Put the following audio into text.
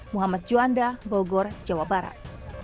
muhammad juanda bogor jawa barat